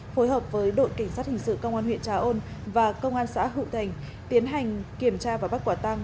phối hợp với đội cảnh sát hình sự công an huyện trà ôn và công an xã hữu thành tiến hành kiểm tra và bắt quả tăng